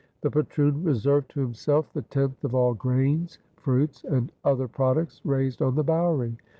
The patroon reserved to himself the tenth of all grains, fruits, and other products raised on the bouwerie.